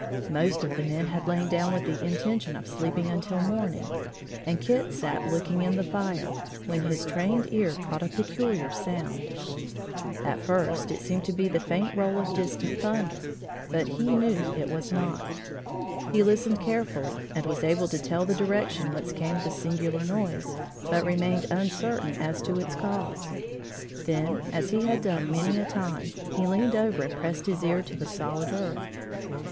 Most of the men had lain down with the intention of sleeping until morning, and Kit sat looking in the fire, when his trained ear caught a peculiar sound. At first, it seemed to be the faint roll of distant thunder, but he knew it was not. He listened carefully and was able to tell the direction whence came the singular noise, but remained uncertain as to its cause. Then, as he had done many a time, he leaned over and pressed his ear to the solid earth.